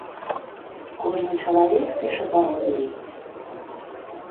Кожны чалавек піша па-рознаму.